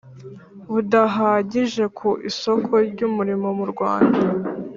budahagije ku isoko ry umurimo mu Rwanda